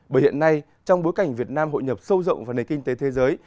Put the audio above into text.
bởi hiện nay trong bối cảnh việt nam hội nhập sâu rộng vào nền kinh tế thế giới